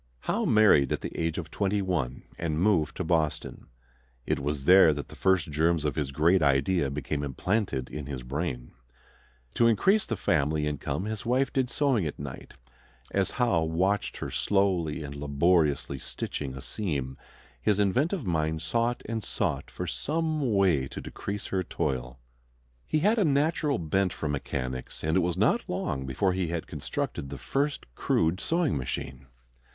Howe married at the age of twenty one and moved to Boston. It was there that the first germs of his great idea became implanted in his brain. To increase the family income his wife did sewing at night. As Howe watched her slowly and laboriously stitching a seam, his inventive mind sought and sought for some way to decrease her toil. He had a natural bent for mechanics, and it was not long before he had constructed the first crude sewing machine.